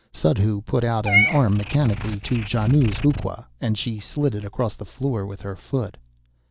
Suddhoo put out an arm mechanically to Janoo's huqa, and she slid it across the floor with her foot.